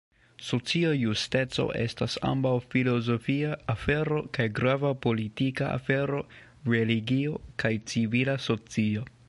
Socia justeco estas ambaŭ filozofia afero kaj grava politika afero, religio, kaj civila socio.